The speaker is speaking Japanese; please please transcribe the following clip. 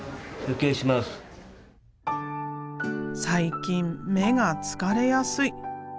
最近目が疲れやすい。